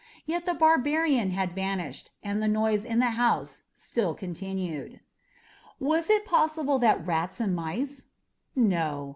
Yet the barbarian had vanished, and the noise in the house still continued. Was it possible that rats and mice ? No!